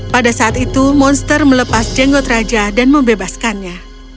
pada saat itu monster melepas jenggot raja dan membebaskannya